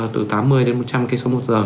từ tám mươi đến một trăm linh km một giờ